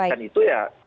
dan itu ya